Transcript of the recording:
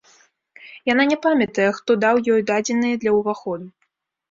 Яна не памятае, хто даў ёй дадзеныя для ўваходу.